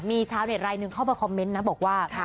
มีชาวเน็ตรายหนึ่งเข้ามาคอมเมนต์นะบอกว่า